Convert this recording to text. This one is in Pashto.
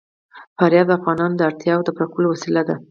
فاریاب د افغانانو د اړتیاوو د پوره کولو وسیله ده.